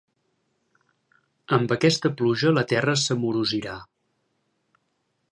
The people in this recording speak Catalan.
Amb aquesta pluja la terra s'amorosirà.